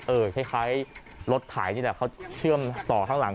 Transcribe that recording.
คล้ายรถไถนี่แหละเขาเชื่อมต่อข้างหลัง